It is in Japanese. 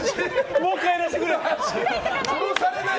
もう帰らせてくれ。